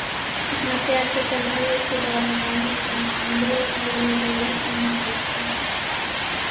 حکمتیار ځکه نر وو چې د افغاني روڼاندو وینه به یې نه پرېښوده.